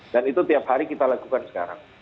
itu tiap hari kita lakukan sekarang